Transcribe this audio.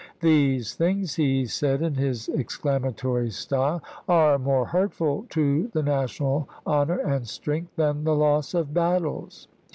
" These things," he said in his exclamatory style, " are more hurtful to the national honor and strength than the loss of battles.